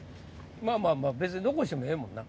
まぁまぁまぁ別に残してもええもんな。